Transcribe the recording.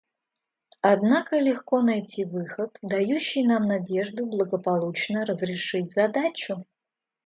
Однако легко найти выход, дающий нам надежду благополучно разрешить задачу.